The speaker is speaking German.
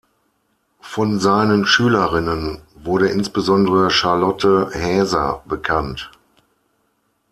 Von seinen Schülerinnen wurde insbesondere Charlotte Häser bekannt.